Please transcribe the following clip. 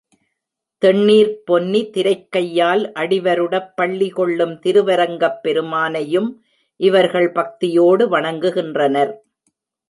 தெண்ணீர்ப் பொன்னி திரைக் கையால் அடிவருடப் பள்ளி கொள்ளும் திருவரங்கப் பெருமானை யும் இவர்கள் பக்தியோடு வணங்கு கின்றனர்.